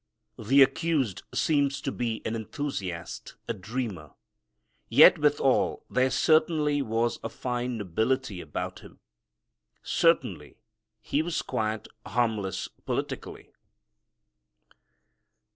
The accused seems to be an enthusiast, a dreamer, yet withal there certainly was a fine nobility about Him. Certainly He was quite harmless politically.